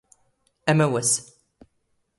ⴰⵎⴰⵡⴰⵙ.